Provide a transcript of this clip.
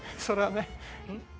それはね。